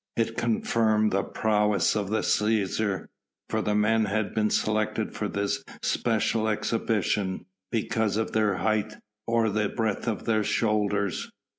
It confirmed the prowess of the Cæsar, for the men had been selected for this special exhibition because of their height or the breadth of their shoulders.